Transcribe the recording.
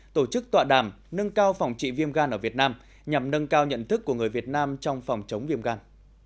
tổ chức tọa đàm nâng cao phòng trị viêm gan ở việt nam nhằm nâng cao nhận thức của người việt nam trong phòng chống viêm gan